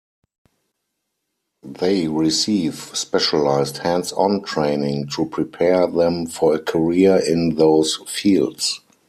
They receive specialized hands-on training to prepare them for a career in those fields.